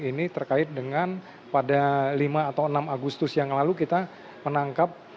ini terkait dengan pada lima atau enam agustus yang lalu kita menangkap